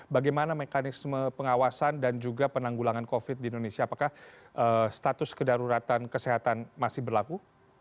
bagaimana mekanisme pengawasan dan juga penanggulangan covid di indonesia apakah status kedaruratan kesehatan masih berlaku